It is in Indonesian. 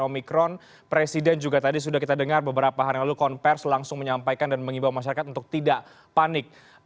omikron presiden juga tadi sudah kita dengar beberapa hari lalu konversi langsung menyampaikan dan mengimbau masyarakat untuk tidak panik